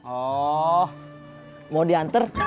oh mau dianter